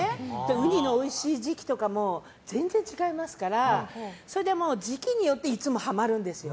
ウニのおいしい時期とかも全然違いますから、時期によっていつもハマるんですよ。